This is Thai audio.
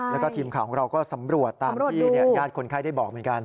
แล้วก็ทีมข่าวของเราก็สำรวจตามที่ญาติคนไข้ได้บอกเหมือนกัน